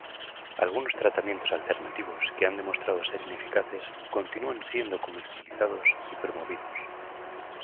Algunos tratamientos alternativos que han demostrado ser ineficaces continúan siendo comercializados y promovidos